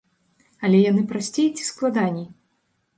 Але яны прасцей ці складаней?